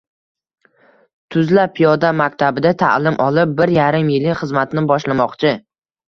Tuzla piyoda maktabida ta'lim olib, bir yarim yillik xizmatini boshlamoqchi.